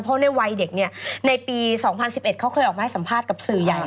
เพราะในวัยเด็กในปี๒๐๑๑เขาเคยออกมาให้สัมภาษณ์กับสื่อใหญ่